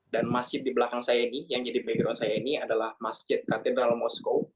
dan masjid di belakang saya ini yang jadi background saya ini adalah masjid katedral moskow